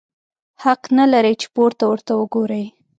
حق نه لرې چي پورته ورته وګورې!